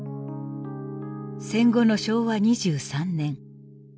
戦後の昭和２３年。